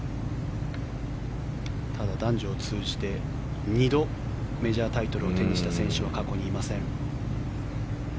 ただ男女を通じて２度メジャータイトルを手にした選手は過去にいません。